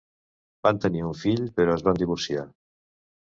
Van tenir un fill, però es van divorciar.